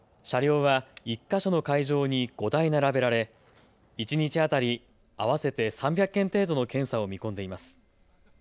車両は１か所の会場に５台並べられ一日当たり合わせて３００件程度の検査を見込んでいます。